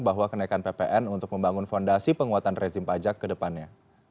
bahwa kenaikan ppn untuk membangun fondasi penguatan rezim pajak ke depannya